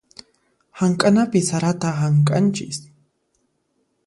Hamk'anapi sarata hamk'anchis.